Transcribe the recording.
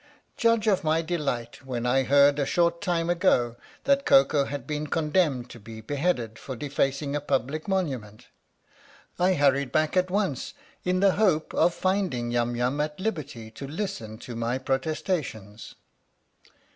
Judge of my delight when I heard, a short time ago, that Koko had been condemned to be beheaded for defacing a public monument. I hurried back at once in the hope of finding Yum Yum at liberty to listen to my protestations."